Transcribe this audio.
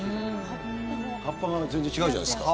葉っぱが全然違うじゃないですか。